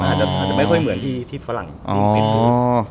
อาจจะไม่ค่อยเหมือนที่ฝรั่งกลุ่งมิวซ์บูรณ์